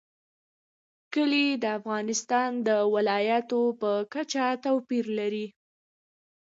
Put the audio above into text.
کلي د افغانستان د ولایاتو په کچه توپیر لري.